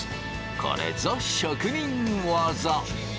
これぞ職人技！